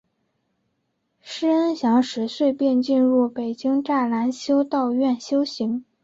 师恩祥十岁时便进入北京栅栏修道院修行。